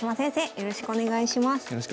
よろしくお願いします。